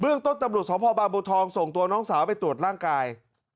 เรื่องต้นตำรวจสภบางบัวทองส่งตัวน้องสาวไปตรวจร่างกาย